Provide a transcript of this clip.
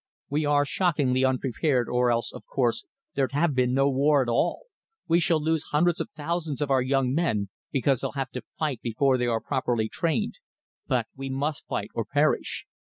We are shockingly unprepared, or else, of course, there'd have been no war at all. We shall lose hundreds of thousands of our young men, because they'll have to fight before they are properly trained, but we must fight or perish.